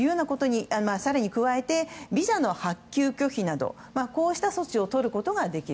更に加えて、ビザの発給拒否といった措置をとることができる。